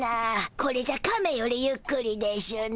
これじゃカメよりゆっくりでしゅな。